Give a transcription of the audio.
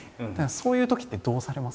そういうときってどうされます？